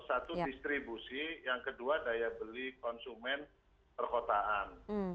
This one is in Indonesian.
satu distribusi yang kedua daya beli konsumen perkotaan